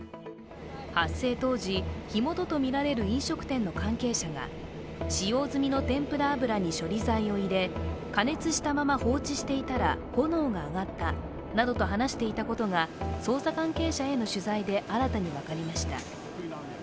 発生当時、火元とみられる飲食店の関係者が使用済みの天ぷら油に処理剤を入れ、加熱したまま放置していたら炎が上がったなどと話していたことが捜査関係者への取材で新たに分かりました。